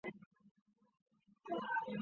火车来回不晓得多少钱